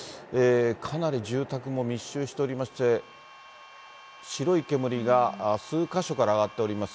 かなり住宅も密集しておりまして、白い煙が数か所から上がっております。